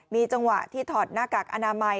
มีจังหวะที่ถอดหน้ากากอนามัย